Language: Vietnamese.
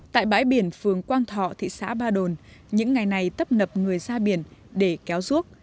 tại bãi biển phường quang thọ thị xã ba đồn những ngày này tấp nập người ra biển để kéo ruốc